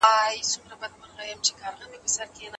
پوهه هېڅکله زاړه نه کېږي.